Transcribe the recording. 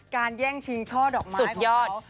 การแย่งชิงช่อดอกไม้ของเขา